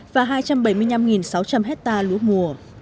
và hai trăm bảy mươi năm sáu trăm linh hectare lúa mùa